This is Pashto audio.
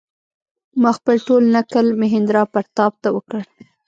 ما خپل ټول نکل مهیندراپراتاپ ته وکړ.